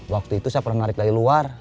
waktu itu saya pernah menarik dari luar